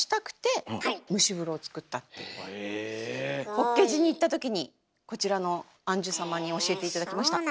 法華寺に行ったときにこちらの庵主様に教えて頂きました。